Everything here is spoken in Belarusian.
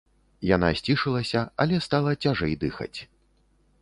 Яна сцішылася, але стала цяжэй дыхаць.